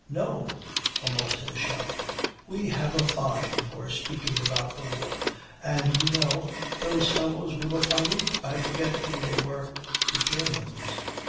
'No,' almost in a shout. 'We have a fine for speaking about the war. And you know, those fellows we were fighting I forget who they were?' 'The Germans.'